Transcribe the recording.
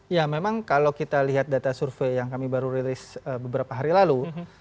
ya memang kalau kita lihat data survei yang kami baru rilis beberapa hari lalu